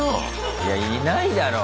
いやいないだろう